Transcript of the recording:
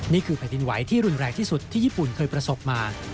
นี่คือแผ่นดินไหวที่รุนแรงที่สุดที่ญี่ปุ่นเคยประสบมา